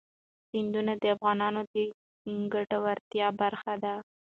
سیندونه د افغانانو د ګټورتیا برخه ده.